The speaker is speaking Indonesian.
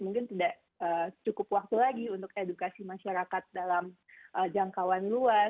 mungkin tidak cukup waktu lagi untuk edukasi masyarakat dalam jangkauan luas